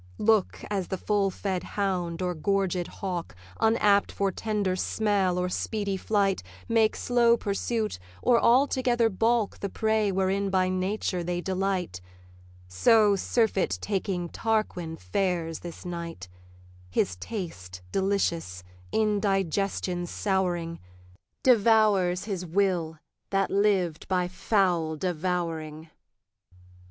Look, as the full fed hound or gorged hawk, Unapt for tender smell or speedy flight, Make slow pursuit, or altogether balk The prey wherein by nature they delight; So surfeit taking Tarquin fares this night: His taste delicious, in digestion souring, Devours his will, that lived by foul devouring.